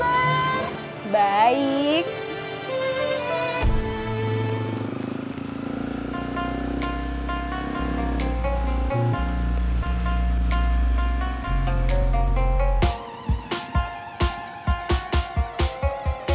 tadi saya ngebututin safira